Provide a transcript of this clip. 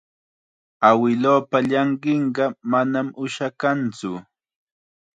Awiluupa llanqinqa manam ushakantsu.